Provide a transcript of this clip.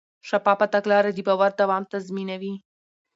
شفافه تګلاره د باور دوام تضمینوي.